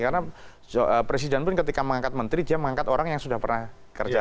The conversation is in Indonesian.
karena presiden pun ketika mengangkat menteri dia mengangkat orang yang sudah pernah kerja